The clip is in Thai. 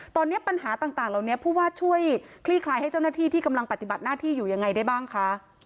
ตอนนี้ปัญหาต่างเหล่านี้ผู้ว่าช่วยคลี่คลายให้เจ้าหน้าที่ที่กำลังปฏิบัติหน้าที่อยู่ยังไงได้บ้างคะ